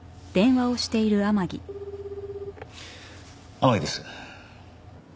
天樹です。